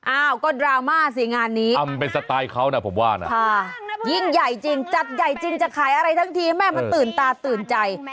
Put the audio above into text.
อ้าวก็ดราม่าสิงานนี้ค่ะยิ่งใหญ่จริงจัดใหญ่จริงจะขายอะไรทั้งทีแม่มันตื่นตาตื่นใจ